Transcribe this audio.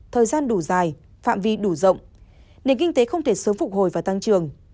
thời gian đủ dài phạm vi đủ rộng nền kinh tế không thể sớm phục hồi và tăng trưởng